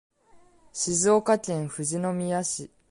静岡県富士宮市